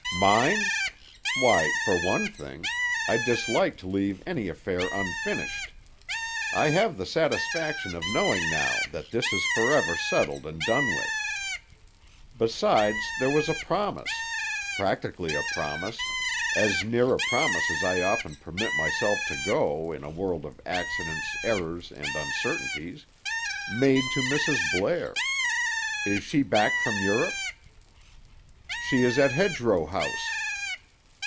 "Mine? Why, for one thing, I dislike to leave any affair unfinished. I have the satisfaction of knowing now that this is forever settled and done with. Besides there was a promise—practically a promise—as near a promise as I often permit myself to go, in a world of accidents, errors, and uncertainties—made to Mrs. Blair. Is she back from Europe?" "She is at Hedgerow House."